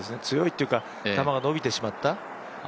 強いっていうか球が伸びてしまった。